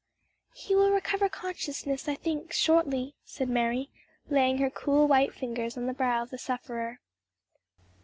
"He will recover consciousness, I think, shortly," said Mary, laying her cool white fingers on the brow of the sufferer.